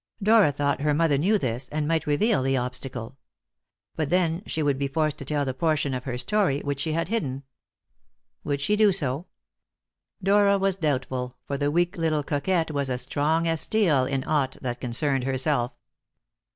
Dora thought her mother knew this, and might reveal the obstacle. But then she would be forced to tell the portion of her story which she had hidden. Would she do so? Dora was doubtful, for the weak little coquette was as strong as steel in aught that concerned herself.